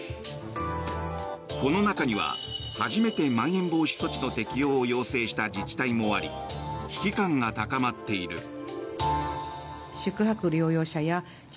この中には初めてまん延防止措置の適用を要請した自治体もあり危機感が高まっている。